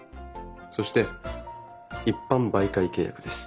そして「一般媒介契約」です。